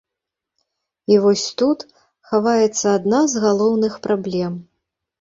І вось тут хаваецца адна з галоўных праблем.